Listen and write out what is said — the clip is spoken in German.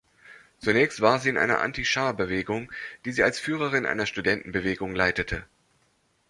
Zunächst war sie in einer Anti-Schah-Bewegung, die sie als Führerin einer Studentenbewegung leitete.